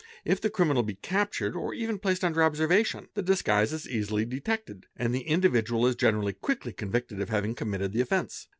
If the criminal be captured _ or even placed under observation, the disguise is easily detected and | the individual is generally quickly convicted of having committed the offence.